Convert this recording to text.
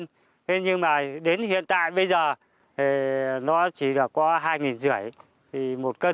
thế nhưng mà đến hiện tại bây giờ nó chỉ có hai năm trăm linh một cân